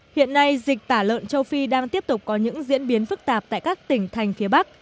hiện nay dịch tả lợn châu phi đang tiếp tục có những diễn biến phức tạp tại các tỉnh thành phía bắc